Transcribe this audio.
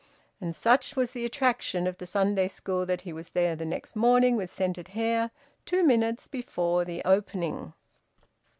And such was the attraction of the Sunday school that he was there the next morning, with scented hair, two minutes before the opening.